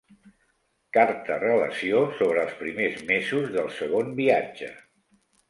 Carta-relació sobre els primers mesos del Segon Viatge.